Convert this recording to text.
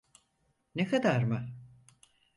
Ne kadar mı?